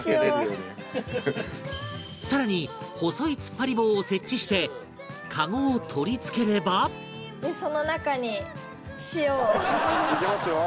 更に細い突っ張り棒を設置してカゴを取り付ければいきますよ。